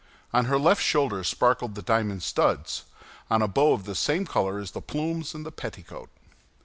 On her left shoulder sparkled the diamond studs, on a bow of the same color as the plumes and the petticoat.